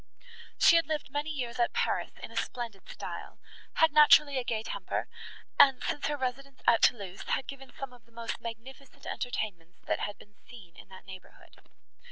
She had lived many years at Paris in a splendid style; had naturally a gay temper, and, since her residence at Thoulouse, had given some of the most magnificent entertainments, that had been seen in that neighbourhood.